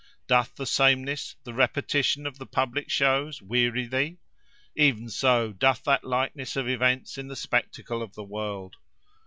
Doth the sameness, the repetition of the public shows, weary thee? Even so doth that likeness of events in the spectacle of the world.